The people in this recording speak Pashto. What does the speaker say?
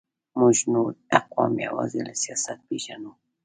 موږ نور اقوام یوازې له سیاست پېژنو.